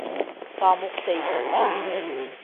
Тамуҡ, ти.